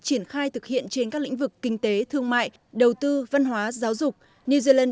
triển khai thực hiện trên các lĩnh vực kinh tế thương mại đầu tư văn hóa giáo dục new zealand